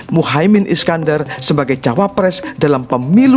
muhaimin iskandar sebagai jawab pres dalam pemilu dua ribu dua puluh empat